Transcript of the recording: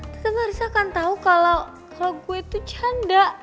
tante marissa kan tau kalo gue tuh janda